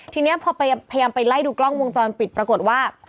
ทีนี้พอพยายามไปไล่ดูกล้องวงจรปิดปรากฏว่า